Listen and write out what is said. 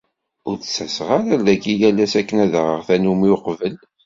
Ur d-ttaseɣ ara ar dagi yal ass akken uɣeɣ tannumi uqbel.